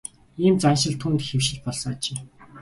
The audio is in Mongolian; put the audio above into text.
Ийм заншил түүнд хэвшил болсон ажээ.